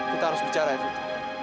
kita harus bicara fit